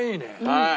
はい。